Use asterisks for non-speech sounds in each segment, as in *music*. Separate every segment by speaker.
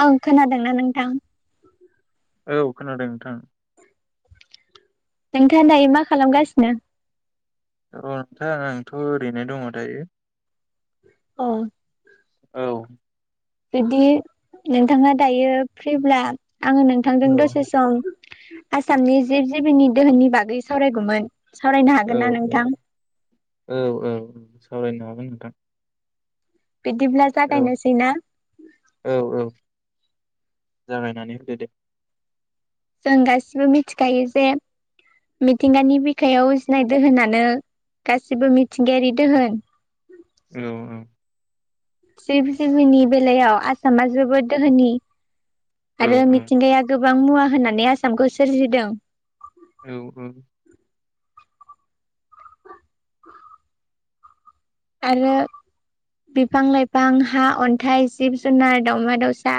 Speaker 1: औ खोनादोंना नोंथां
Speaker 2: औ खोनादों नोंथां
Speaker 1: नोंथां दायो मा खालामगासिनो
Speaker 2: औ नोंथां आंथ' ओरैनो दङ दायो
Speaker 1: अ
Speaker 2: औ
Speaker 1: बिब्दि नोंथाङा दायो फ्रिब्ला आङो नोंथांदों
Speaker 2: औ
Speaker 1: दसे सम आसामनि जिब जिबिनि दोहोननि बागै सावरायगौमोन सावरायनो
Speaker 2: औ
Speaker 1: हागोन ना
Speaker 2: औ
Speaker 1: नोंथां
Speaker 2: औ औ औ सावरायनो हागोन नोंथां
Speaker 1: बिदिब्ला
Speaker 2: औ
Speaker 1: जागायनोसैना
Speaker 2: औ औ जागायनानै होदो दे
Speaker 1: जों गासिबो मिथिखायो जे मिथिंगानि बिखायाव उजिनाय दोहोनानो गासिबो मिथिंगायारि दोहोन।
Speaker 2: औ
Speaker 1: जिब जिबिनि बेलायाव आसामा जोबोद दोहोनि।
Speaker 2: औ
Speaker 1: आरो
Speaker 2: औ
Speaker 1: मिथिंगाया गो गोबां मुवा होनानै आसामखौ सोरजिदों।
Speaker 2: औ औ।
Speaker 1: आरो बिफां लाइफां, हा, अन्थाइ, जिब जुनार, दावमा दावसा,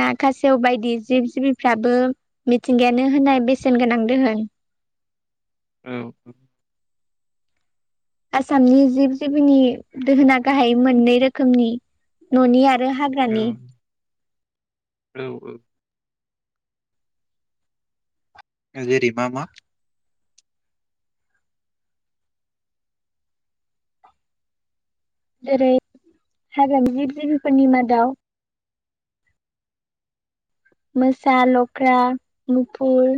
Speaker 1: ना, खासेव बायदि जिब जिबिफ्राबो मिथिंगायानो होनाय बेसेन गोनां दोहोन।
Speaker 2: औ औ।
Speaker 1: आसामनि जिब जिबिनि दोहोना गाहाय मोननै रोखोमनि न'नि आ रो
Speaker 2: औ
Speaker 1: हाग्रानि।
Speaker 2: औ औ। थागिरि मा मा?
Speaker 1: जेरै हाग्रानि जिब जिबिफोरनि मादाव मोसा, लख्रा, मुफुर,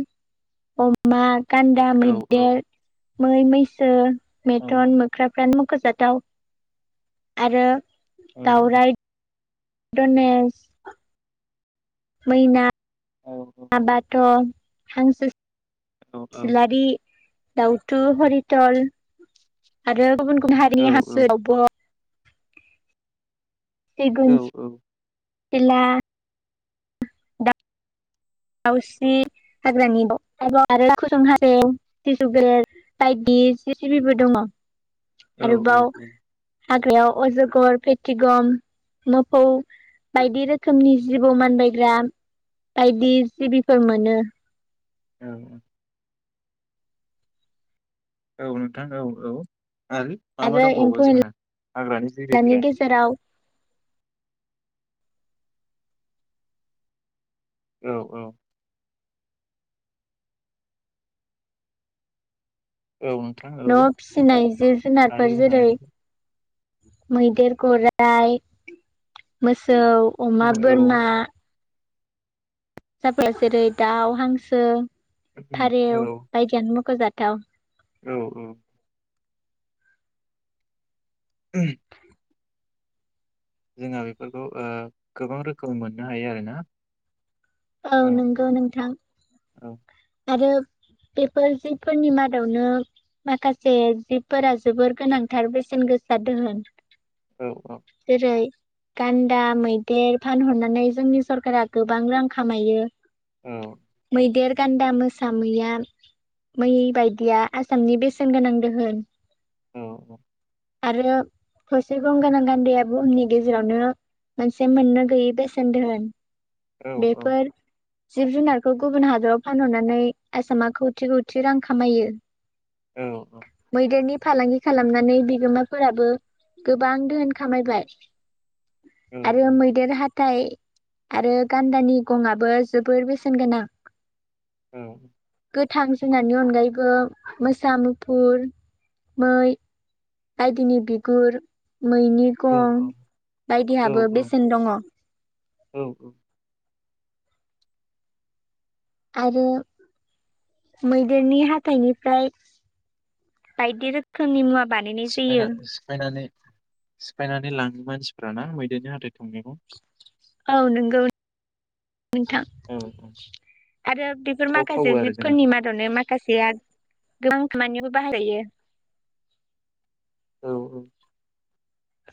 Speaker 1: अमा गान्दा,
Speaker 2: औ औ
Speaker 1: मैदेर मै मैसो
Speaker 2: औ
Speaker 1: मेथन मोख्रा फ्रानो मु खोजाथाव आरो
Speaker 2: औ
Speaker 1: दाव राय डनेस मैना
Speaker 2: औ औ
Speaker 1: माबाथ' हांसो सिलारि दाउथु हरितल आरो गुबुन गुबुन हारिनि
Speaker 2: औ
Speaker 1: हांसो दावब' सिगुन
Speaker 2: औ औ।
Speaker 1: सिला दाउस्रि हाग्रानि माबा आरो खुसं हालव सिजुगे बायदि जि जिबिबो दङ'।
Speaker 2: औ
Speaker 1: आरोबाव हाग्रायाव अजगर पेटिगम मोफौ बायदि रोखोमनि जिबौ मानबायग्रा बायदि जिबिफोर मोनो।
Speaker 2: औ। औ नोंथां औ औ। आरो मा मा
Speaker 1: आरो
Speaker 2: दंबावो
Speaker 1: एम्फौ
Speaker 2: जोंना हाग्रानि
Speaker 1: एनलानि
Speaker 2: जिबिफोरा?
Speaker 1: गेजेराव
Speaker 2: औ औ। औ नोंथां
Speaker 1: न'आव
Speaker 2: औ
Speaker 1: फिसिनाय जिब
Speaker 2: आरो
Speaker 1: जुनारफोर
Speaker 2: जोंहा एम्फौ
Speaker 1: जेरै- मैदेर गराइ मो सौ
Speaker 2: उम,
Speaker 1: अमा
Speaker 2: औ
Speaker 1: बोरमा साफोरो जेरै दाउ हांसो
Speaker 2: उम, औ
Speaker 1: फारेव बायदियानो मख'जा दं
Speaker 2: औ औ *inaudible* जोंहा बेफोरखौ ओ गोबां रोखोमनि मोननो हायो आरोना
Speaker 1: औ नंगौ नोंथां
Speaker 2: औ
Speaker 1: आरो बेफोर जिबफोरनि मादावनो माखासे जिबफोरा जोबोर गोनांथार बेसेन गोसा दोहोन
Speaker 2: औ
Speaker 1: जेरै गान्दा मैदेर फानहरनानै जोंनि सरकारा गोबां रां खामायो।
Speaker 2: औ
Speaker 1: मैदेर गान्दा मोसा मैया मै बायदिया आसामनि बेसेन गोनां दोहोन।
Speaker 2: औ औ
Speaker 1: आरो थसे गंगोनां गान्दाया बुहुमनि गेजेरावनो मोनसे मोननो गैयि बेसेन दोहोन।
Speaker 2: औ औ
Speaker 1: बेफोर जिब जुनारखौ गुबुन हादराव फानहरनानै आसामा खौसे खौथि रां खामायो। मैदेरनि फालांगि खालामनानै बिगोमाफोराबो गोबां दोहोन खामायबाय आरो मैदेर हा थाय आरो गान्दानि गंआबो जोबोर बेसेन गोनां।
Speaker 2: औ
Speaker 1: गोथां जुनारनि अनगायैबो मोसा मुफुर मै बायदिनि बिगुर मैनि गं
Speaker 2: औ
Speaker 1: बायदिहाबो बेसेन दंङ।
Speaker 2: औ
Speaker 1: आरो मैदेरनि हाथाइनिफ्राय बायदि रोखोमनि मुवा बानायनाय जायो
Speaker 2: सिफायना सिफायनानै सिफायनानै लांङो मानसिफ राना मैदेरनि हाथाय थंनैखौ
Speaker 1: औ नंगौ नोंथां
Speaker 2: औ औ
Speaker 1: आरो बेफोर
Speaker 2: सिखाव खावो
Speaker 1: माखासे
Speaker 2: आरो जोंना
Speaker 1: जिबफोरनि मादावनो माखासेया गोबां खामानियावबो बाहायजायो।
Speaker 2: औ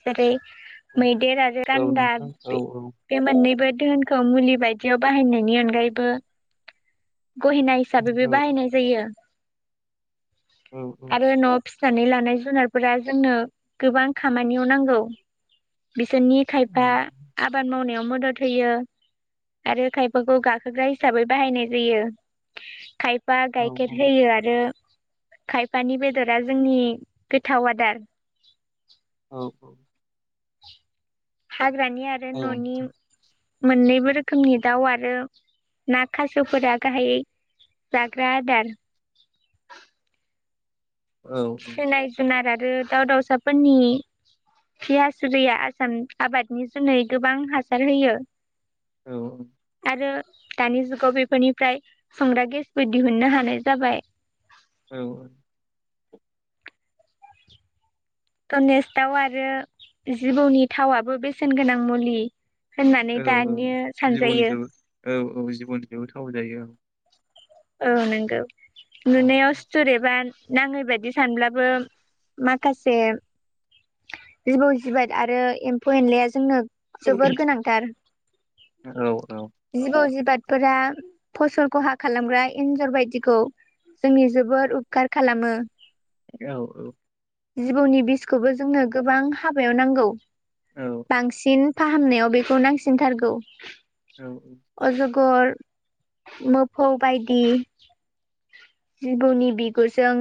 Speaker 1: जेरै
Speaker 2: औ
Speaker 1: मैदेर आरो
Speaker 2: औ
Speaker 1: गान्दा
Speaker 2: नोंथां औ
Speaker 1: बे
Speaker 2: औ
Speaker 1: बे मोननैबो धोहोनखौ मुलि बायदियाव बाहायनायनि अनगायैबो गहेना हिसाबैबो
Speaker 2: औ
Speaker 1: बाहायनाय जायो।
Speaker 2: औ औ
Speaker 1: आरो न' फि फिनानै लानाय जुनारफोरा जोंनो गोबां खामानियाव नांगौ। बिसोरनि खायफा आबाद मावनायाव मदद होयो आरो खायफाखौ गाखोग्रा हिसाबै बाहायनाय जायो खाय बा
Speaker 2: औ
Speaker 1: गाइखेर होयो आरो खायफानि बेदरा जोंनि गोथाव आदार।
Speaker 2: औ औ।
Speaker 1: हाग्रानि आरो
Speaker 2: औ
Speaker 1: न'नि
Speaker 2: नोंथां
Speaker 1: मोननैबो रोखोमनि दाउ आरो ना खासेवफोरा गाहायै जाग्रा आदार।
Speaker 2: औ
Speaker 1: सिनाय जुनाराथ आरो दाउ दाउसाफोरनि खि हासुदैया आसाम आबादनि जुनै गोबां हासार होयो।
Speaker 2: औ औ।
Speaker 1: आरो दानि जुगाव बेफोरनिफ्राय संग्रा गेसबो दिहुननो हानाय जाबाय।
Speaker 2: औ।
Speaker 1: धनेस दाउ आरो जिबौनि थावाबो बेसेन गोनां मुलि। होननानै
Speaker 2: औ औ
Speaker 1: दानियो सानजायो
Speaker 2: जिबौनिसायबो औ औ जिबौनिसायबो थाव जायो औ।
Speaker 1: औ नंगौ।
Speaker 2: औ
Speaker 1: नुनायाव स्टुरेभान नाङै बायदि सानब्लाबो माखासे जिबौ जिबाद आरो एम्फौ एनलाया जोंनो जोबोर
Speaker 2: औ
Speaker 1: गोनांथार
Speaker 2: औ औ
Speaker 1: जिबौ जिबाद फोरा फसल खहा खालामग्रा एन्जर बायदिखौ जोंनि जोबोर उपखार खालामो।
Speaker 2: औ औ।
Speaker 1: जिबौनि बिसखौबो जोंनो गोबां हाबायाव नांगौ।
Speaker 2: औ
Speaker 1: बांसिन फाहामनायाव बेखौ नांसिनथारगौ
Speaker 2: औ औ
Speaker 1: गर मोफौ बायदि जिबौनि बिगुरजों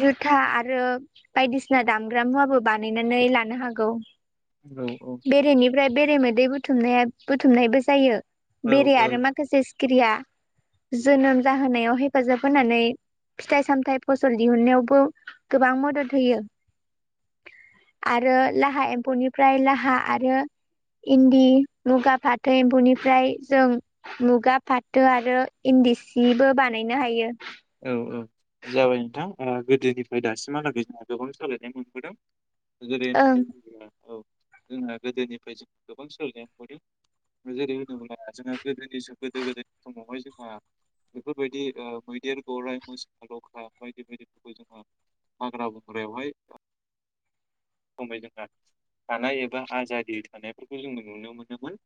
Speaker 1: जुथा आरो बायदिसिना दामग्रा मुवाबो बानायनानै लानो हागौ।
Speaker 2: औ औ।
Speaker 1: ओमफ्राय बेरे मोदै बुथुमनाया बुथुमनायबो जायो।
Speaker 2: औ
Speaker 1: बेरे आरो माखासे स खिरिया जोनोम जाहोनायाव हेफाजाब होनानै फिथाइ सामथाय फ फसल दिहुनायावबो गोबां मद'द होयो आरो लाहा एम्फौनिफ्राय लाहा आरो इन्दि मुगा फाथो एम्फौनिफ्राय जों मुगा फाथो आरो इन्दि सिबो बानायनो हायो।
Speaker 2: औ औ जाबाय नोंथां ओ गोदोनिफ्राय दासिमहालागै जोंहा गोबां सोलायनाय मोनबोदों।
Speaker 1: ओं
Speaker 2: *unintelligible* औ जोंहा गोदोनिफ्राय जों गोबां सोलायनानै मोनदों जेरै होनोब्ला जोंहा गोदोनि गोदो गोदायनि समावहाय जोंहा बेफोरबायदि ओ मैदेर गौराइ मोसा लखा बायदि बायदिफोरखौ जोंहा हाग्रा बंग्रायावहाय समै जोंहा थानाय एबा आजादि थानायफोरखौ जोङो नुनो मोनोमोन।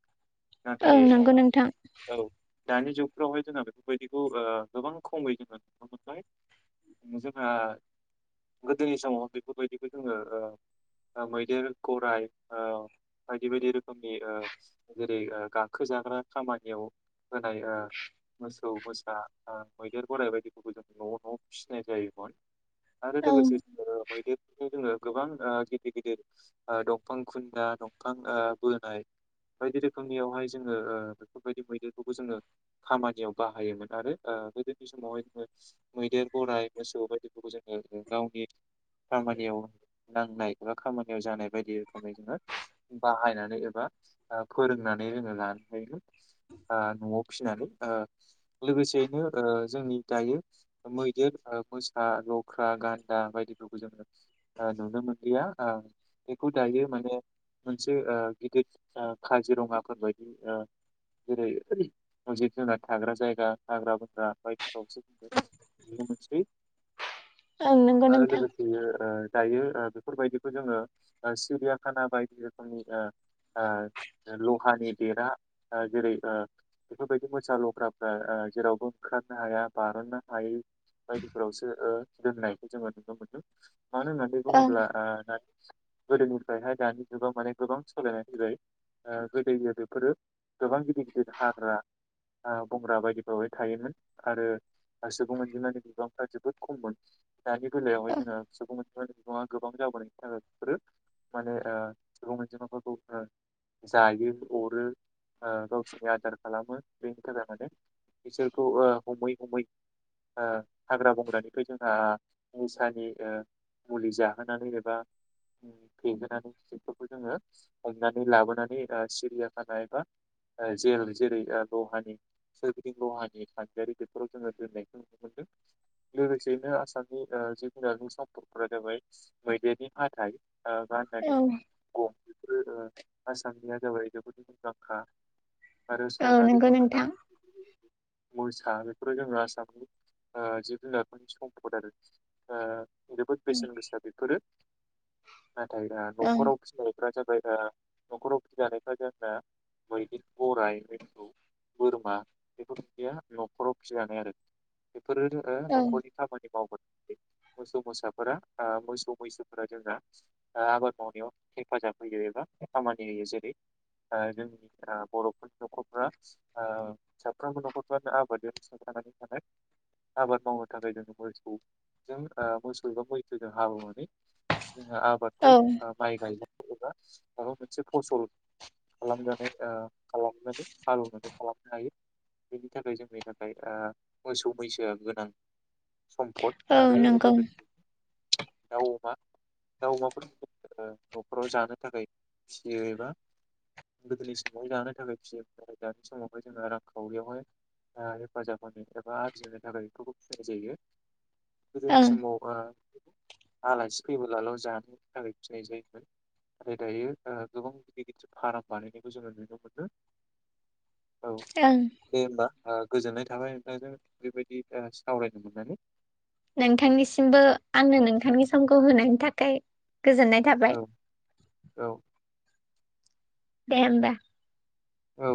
Speaker 1: ओं
Speaker 2: नाथाय आ
Speaker 1: नंगौ नोंथां
Speaker 2: औ दानि जुगफ्रावहाय जोंहा बेफोरबायदिखौ ओ गोबां खमै नुनो मोनबाय जोंहा गोदोनि समाव बेफोरबायदिखौ जोङो ओ ओ मैदेर गरराय ओ बायदि बायदि रोखोमनि ओ जेरै ओ गाखोजाग्रा खामानियाव होनाय ओ मोस औ मोसा ओ मैदेर गाइ बायदिफोरखौ जों न' न' फिसिनाय जायोमोन। आरो
Speaker 1: ओं
Speaker 2: लोगोसे *unintelligible* मैदेरफोरखौ जोङो गोबां ओ गिदिर गिदिर ओ दंफां खुुन्दा दंफां ओ बोनाय बायदि रोखोमनियावहाय जोङो ओ बेफोरबायदि मैदेरखौबो जोङो खामानियाव बाहायोमोन आरो ओ बेबायदि समावहाय जोङो मैदेर गराइ मोसौ बायदिफोरखौ जोङो गावनि खामानियाव नांनाय एबा खामानियाव जानाय बायदि रोखोमै जोङो बाहायनानै एबा ओ फोरोंनानै जोङो लानो हायोमोन ओ न'आव फिसिनानै ओ लोगोसेयैनो ओ जोंनि दायो मैदेर ओ मोस हा लख्रा गान्दा बायदिफोरखौ जोङो ओ नुनो मोनलिया ओ बेखौ दायो माने मोनसे ओ गिदिर काजिरङाफोरबायायदि ओ जेरै जिब जुनार थाग्रा जायगा हाग्राबंग्रा बायदिआवसो जोङो नुनो मोनसै।
Speaker 1: ओं नंगौ
Speaker 2: आरो
Speaker 1: नोंथां
Speaker 2: लोगोसेयो ओ दायो ओ बेफोरबायदिखौ जोङो ओ सिरियाखाना बायदि रोखोमनि ओ ओ लहानि बेरा ओ जेरै ओ बेफोरबायदि मोसा लख्राफ्रा जेरावबो खारनो हाया बार'ननो हायै बायदिफोरावसो ओ दोननायखौ जोङो नुनो मोनो। मानो होननानै
Speaker 1: ओं
Speaker 2: बुङोब्ला ओ गोदोनिफ्रायहाय दानि जुगाव माने गोबां सोलायनाय फैबाय ओ गोदोयो बेफोरो गोबां गिदिर गिदिर हाग्रा ओ बंग्रा बायदिफ्रावहाय थायोमोन। आरो गासैबो मोनजिमानानि बिबांफ्रा जोबोद खममोन। दानि बेलायावहाय जोङो सुबुं *unintelligible* गोबां जाबोनायनि थाखाय बिसोरो माने ओ सुबुं अनजिमाफोरखौ ओ जायो अरो ओ गावसोरनि आदार खालामो बेनि थाखाय माने बिसोर खौ ओ हमै हमै ओ हाग्रा बंग्रानिफ्राय जोंहा निसानि ओ मुलि जाहोनानै एबा फेहोनानै बेफोरखौ जोङो हमनानै लाबोनानै सिरियाखाना एबा ओ जेल जेरै ओ लहानि सोरगिदिं लहानि खान्थियारि बेफोराव जोङो दोननायखौ नुनो मोनदों लोगोसेयैनो आसामनि ओ जिब-जुनारनि सम्पफोरा जाबाय मैदेरनि हाथाइ। आ
Speaker 1: औ
Speaker 2: गान्दानि गं *unintelligible* आसामनिया जाबाय जोबोद मुंदांखा आरो
Speaker 1: औ
Speaker 2: सावनालि
Speaker 1: नंगौ
Speaker 2: मोख्रा
Speaker 1: नोंथां
Speaker 2: मोसा बेफोरो जोङो आसामनि जिब जुनारफोर सम्पद आरो ओ जोबोद बेसेन गोसा बेफोरो नाथाय दा
Speaker 1: ओं
Speaker 2: न'खराव फिसिनायफ्रा जाब ओमफ्राय दा न'खराव फिजानायफ्रा जोंना मैदेर गराइ *unintelligible* बोरमा बेखौ या न'खराव फिजानाय आरो फोरो *unintelligible*
Speaker 1: ओं
Speaker 2: न'खरनि खामानि मावगोन मोसौ मोसाफोरा मोसौ मैसोफोरा जोंना आबाद मावनायाव हेफाजाब होयो एबा खामानि होयो जेरै जोंनि बर'फोरनि न'खरफोरा साफ्रोमबो न'खर *unintelligible* आबादजों सोनारनानै थानाय आबाद मावनो थाखाय जोङो मोसौजों मोसौ एबा मैसोजों हालेवनानै *unintelligible*
Speaker 1: औ
Speaker 2: आबादखौ माइ गायो *unintelligible* मोनसे फसल खालामनानै आ खालामनानै हालेवनानै खालामनो हायो बेनि थाखाय जोंनि थाखाय ओ मोसौ मैसोआ गोनां सम्फद
Speaker 1: औ
Speaker 2: आरो
Speaker 1: नंगौ
Speaker 2: *unintelligible* दाउ, अमा, दाउ अमाफोरखौ ओ न'खराव जानो फावरियावहाय हेफाजाब होनो एबा आरजि होनो थाखाय बेखौबो *unintelligible* जायो गोदोनि
Speaker 1: ओं
Speaker 2: समाव ओ आलासि फैबोलाल' जानोनि थाखाय फिनाय जायोमोन नाथाय दायो ओ गोबां गिदिर गिदिर फार्म बानायनायखौ जोङो नुनो मोनो। औ
Speaker 1: ओं।
Speaker 2: दे होमबा। ओ गोजोननाय थाबाय नोंथांजों बेबायदि सावरायनो मोननानै।
Speaker 1: नोंथांनिसिमबो आंनो नोंथांनि समखौ होनायनि थाखाय गोजोननाय थाबाय।
Speaker 2: औ औ
Speaker 1: दे होमबा?
Speaker 2: औ।